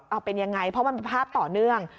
เอาเป็นยังไงเพราะมันเป็นภาพต่อเนื่อง